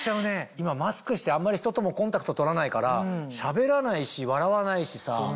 今マスクしてあんまり人ともコンタクト取らないからしゃべらないし笑わないしさ。